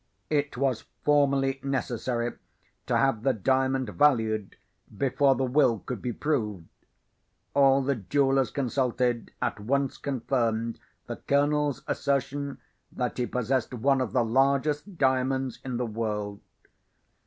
It was formally necessary to have the Diamond valued, before the Will could be proved. All the jewellers consulted, at once confirmed the Colonel's assertion that he possessed one of the largest diamonds in the world.